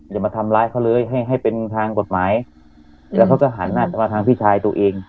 อย่ามาทำร้ายเขาเลยให้ให้เป็นทางกฎหมายแล้วเขาก็หันหน้าจะมาทางพี่ชายตัวเอง